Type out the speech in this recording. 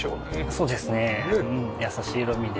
そうですね優しい色味で。